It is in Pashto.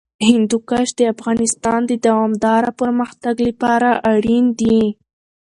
هندوکش د افغانستان د دوامداره پرمختګ لپاره اړین دي.